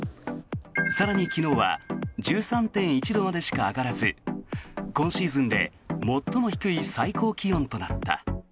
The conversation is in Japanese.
更に、昨日は１３．１度までしか上がらず今シーズンで最も低い最高気温となった。